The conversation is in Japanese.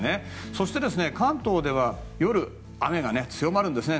そして、関東では夜、雨が強まるんですね。